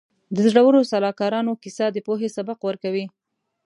د زړورو سلاکارانو کیسه د پوهې سبق ورکوي.